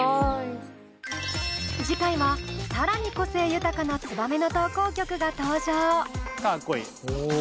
次回は更に個性豊かな「ツバメ」の投稿曲が登場！